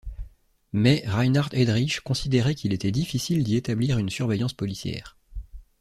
Mais Reinhard Heydrich considérait qu’il était difficile d’y établir une surveillance policière.